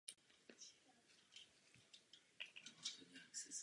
Následně přestal na čas veřejně vystupovat.